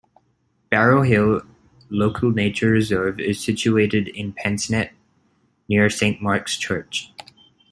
Barrow Hill Local Nature Reserve is situated in Pensnett, near Saint Mark's Church.